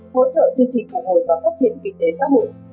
hỗ trợ chương trình phục hồi và phát triển kinh tế xã hội